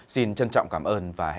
xin trân trọng cảm ơn và hẹn gặp lại